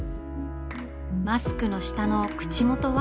マスクの下の口元は？